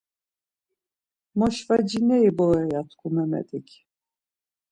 Moşvacineri vore ya tku Memet̆ik.